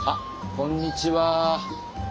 こんにちは。